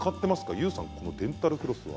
ＹＯＵさん、デンタルフロスは？